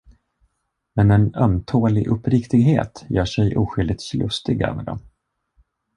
Men en ömtålig uppriktighet gör sig oskyldigt lustig över dem.